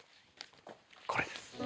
これです。